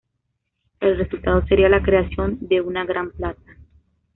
El resultado sería la creación de una gran plaza.